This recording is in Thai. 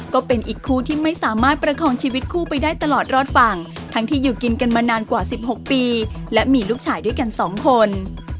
ก็เป็นอีกคู่ที่ไม่สามารถประคองชีวิตคู่ไปได้ตลอดรอดฝั่งทั้งที่อยู่กินกันมานานกว่า๑๖ปีและมีลูกชายด้วยกันสองคน